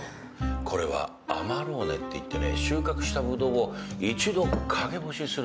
これはアマローネっていってね収穫したブドウを一度陰干しするんですよ。